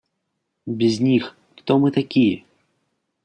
Без них – кто мы такие?